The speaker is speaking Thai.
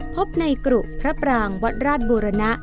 พบในกลุพระปร่างวัตต์ราตรบูรณะ